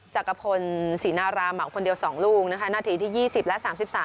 จักรพลศรีนาราเหมาคนเดียว๒ลูกนะคะนาทีที่๒๐และ๓๓